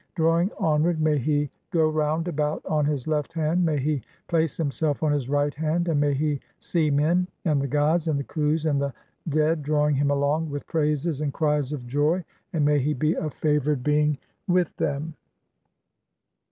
Drawing on "ward may he (10) go round about on his left hand, may he "place himself on his right hand, and may he see men, and the "gods, and the Khus, and the dead drawing him along with "praises and cries of joy, (11) and may he be a favoured being "with them."